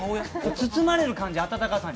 包まれる感じ、温かさに。